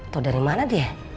tau dari mana dia